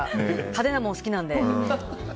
派手なものが好きなので。